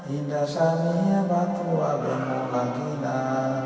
indah sani ya batuwa benu kakinah